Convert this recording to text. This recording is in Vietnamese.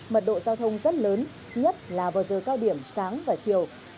mật độ giao thông rất lớn nhất là vào giờ cao điểm sáng và chiều